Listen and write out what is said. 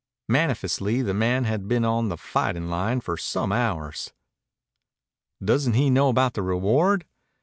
Manifestly the man had been on the fighting line for some hours. "Doesn't he know about the reward?"